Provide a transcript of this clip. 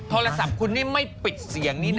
โทรศัพท์คุณนี่ไม่ปิดเสียงนี้นะ